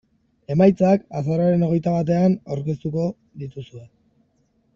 Emaitzak azaroaren hogeita batean aurkeztuko dituzte.